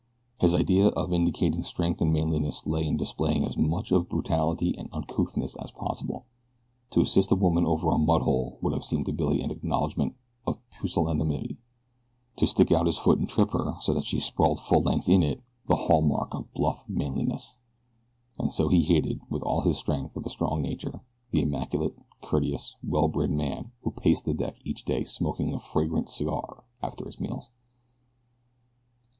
His idea of indicating strength and manliness lay in displaying as much of brutality and uncouthness as possible. To assist a woman over a mud hole would have seemed to Billy an acknowledgement of pusillanimity to stick out his foot and trip her so that she sprawled full length in it, the hall mark of bluff manliness. And so he hated, with all the strength of a strong nature, the immaculate, courteous, well bred man who paced the deck each day smoking a fragrant cigar after his meals.